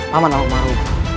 paman allah mahu